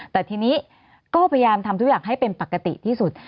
แต่ทีนี้ก็พยายามทำทุกอย่างให้เป็นปกติที่สุด